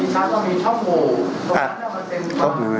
แล้วการที่มันมีบุคคลอาวุธภาพศาสตร์ตอนนี้ช่องโหว่